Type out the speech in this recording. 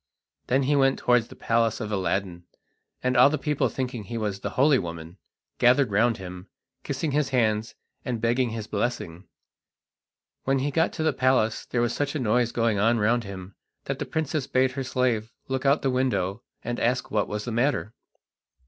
Then he went towards the palace of Aladdin, and all the people thinking he was the holy woman, gathered round him, kissing his hands and begging his blessing. When he got to the palace there was such a noise going on round him that the princess bade her slave look out of the window and ask what was the matter.